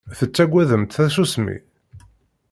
Tettaggademt tasusmi?